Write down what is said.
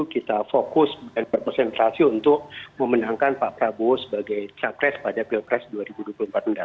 kita fokus dan berpresentasi untuk memenangkan pak prabowo sebagai capres pada pilpres dua ribu dua puluh empat mendatang